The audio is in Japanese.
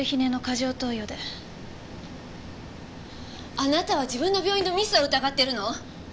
あなたは自分の病院のミスを疑ってるの？